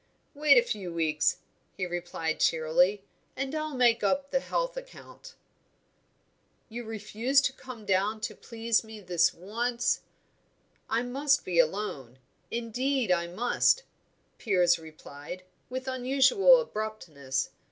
"Wait a few weeks," he replied cheerily, "and I'll make up the health account." "You refuse to come down to please me, this once?" "I must be alone indeed I must," Piers replied, with unusual abruptness.